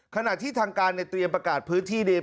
ขณะที่ทางการเนี่ยเตรียมประกาศพื้นที่เนี่ย